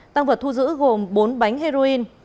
tăng vật thu giữ gồm bốn bánh heroin